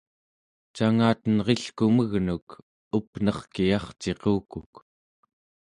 cangatenrilkumegnuk up'nerkiyarciqukuk